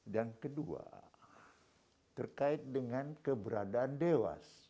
dan kedua terkait dengan keberadaan dewa